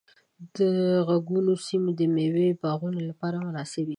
د غرونو سیمې د مېوو باغونو لپاره مناسبې دي.